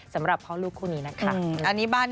สำหรับพ่อลูกคู่นี้นะคะ